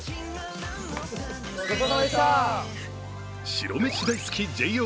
白めし大好きＪＯ